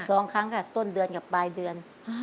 สองครั้งค่ะต้นเดือนกับปลายเดือน